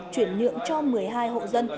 chuyển nhượng cho một mươi hai hộ dân